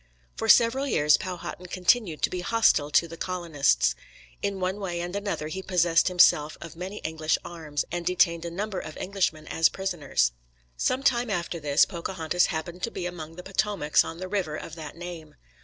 For several years Powhatan continued to be hostile to the colonists. In one way and another he possessed himself of many English arms, and detained a number of Englishmen as prisoners. Some time after this Pocahontas happened to be among the Potomacs on the river of that name.